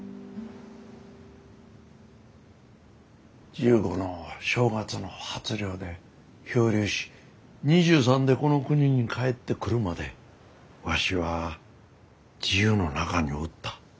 １５の正月の初漁で漂流し２３でこの国に帰ってくるまでわしは自由の中におった。